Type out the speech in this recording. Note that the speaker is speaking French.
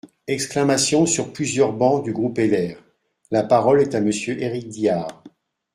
(Exclamations sur plusieurs bancs du groupe LR.) La parole est à Monsieur Éric Diard.